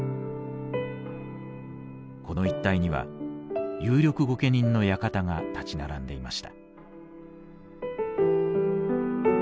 この一帯には有力御家人の館が立ち並んでいました。